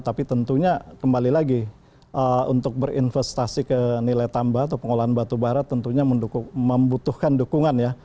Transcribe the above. tapi tentunya kembali lagi untuk berinvestasi ke nilai tambah atau pengolahan batu bara tentunya membutuhkan dukungan ya